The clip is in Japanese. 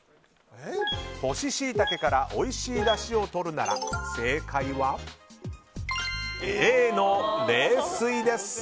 干しシイタケからおいしいだしをとるなら正解は、Ａの冷水です。